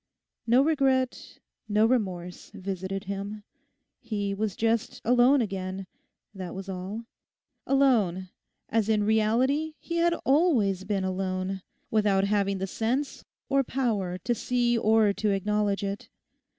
No regret, no remorse visited him. He was just alone again, that was all—alone, as in reality he had always been alone, without having the sense or power to see or to acknowledge it.